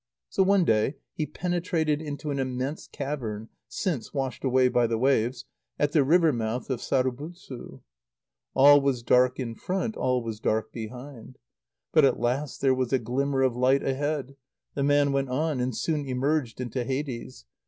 So one day he penetrated into an immense cavern (since washed away by the waves) at the river mouth of Sarubutsu. All was dark in front, all was dark behind. But at last there was a glimmer of light a head. The man went on, and soon emerged into Hades.